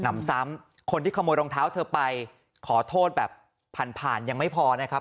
หนำซ้ำคนที่กำเท้าของเธอไปขอโทษแบบผันผ่าน่ะนะครับ